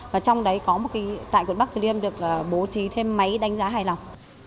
và trong đấy có một cái tại quận bắc tử liêm được bố trí thêm máy đánh giá hài lòng